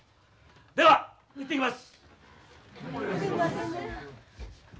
では行ってきます。